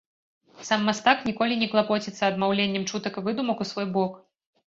Сам мастак ніколі не клапоціцца адмаўленнем чутак і выдумак у свой бок.